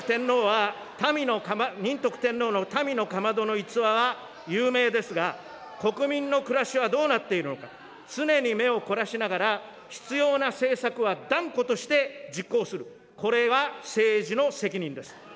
仁徳天皇の民のかまどの逸話は有名ですが、国民の暮らしはどうなっているのか、常に目を凝らしながら必要な政策は断固として実行する、これは政治の責任です。